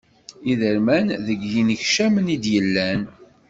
Idermen deg yinekcamen i d-yellan.